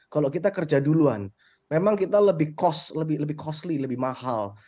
kalau kita kerja duluan memang kita lebih cost lebih costly lebih mahal